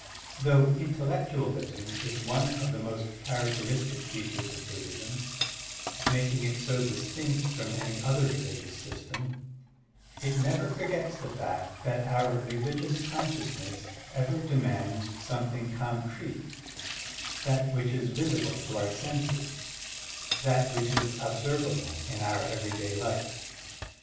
Though intellectualism is one of the most characteristic features of Bud dhism, making it so distinct from any other religious system, it never forgets the fact that otir religious consciousness ever demands some thing concrete, that which is visible to our senses, that which is observable in our everyday life.